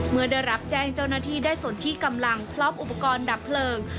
เมื่อได้รับแจ้งเจ้าหน้าที่ได้ส่วนที่กำลังพร้อมอุปกรณ์ดับเพลิง